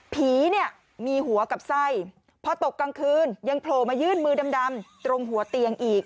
ผีเนี่ยมีหัวกับไส้พอตกกลางคืนยังโผล่มายื่นมือดำตรงหัวเตียงอีก